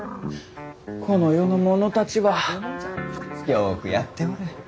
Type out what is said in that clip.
この世の者たちはよくやっておる。